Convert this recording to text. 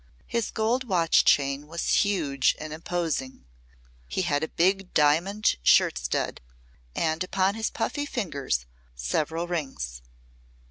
His gold watch chain was huge and imposing; he had a big diamond shirt stud, and upon his puffy fingers several rings.